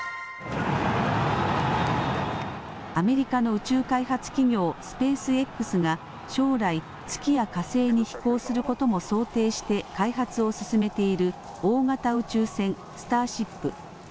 アメリカの宇宙開発企業スペースＸが将来、月や火星に飛行することも想定して開発を進めている大型宇宙船スターシップ。